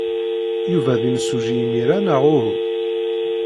Yuba d imsujji imir-a, neɣ uhu?